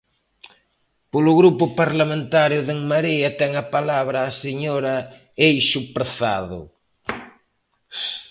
Polo Grupo Parlamentario de En Marea, ten a palabra a señora Eixo Prezado.